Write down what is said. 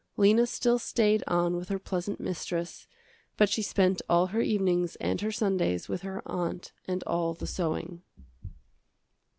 Lena still stayed on with her pleasant mistress, but she spent all her evenings and her Sundays with her aunt and all the sewing.